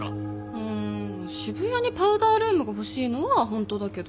うーん渋谷にパウダールームが欲しいのはホントだけど。